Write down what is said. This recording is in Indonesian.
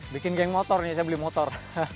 bikin geng motor nih saya beli motor